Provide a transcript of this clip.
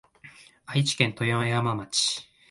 愛知県豊山町